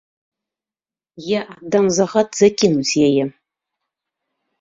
Я аддам загад закінуць яе!